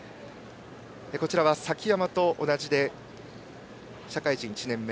こちらは崎山と同じで社会人１年目。